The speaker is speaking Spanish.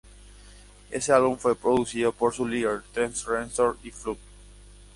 Ese álbum fue producido por su líder, Trent Reznor, y Flood.